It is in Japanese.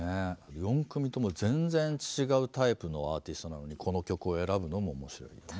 ４組とも全然違うタイプのアーティストなのにこの曲を選ぶのも面白いよね。